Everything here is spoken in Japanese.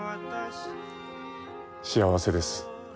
幸せです。